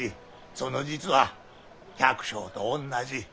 その実は百姓とおんなじ。